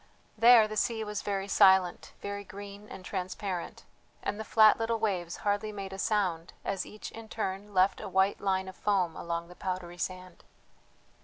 There the sea was very silent, very green and transparent, and the flat little waves hardly made a sound as each in turn left a white line of foam along the powdery sand.